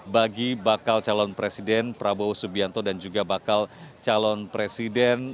bagi bakal calon presiden prabowo subianto dan juga bakal calon presiden